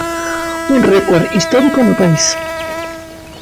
Un récord histórico no país.